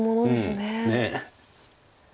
ねえ。